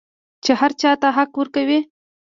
چې هر چا ته حق ورکوي.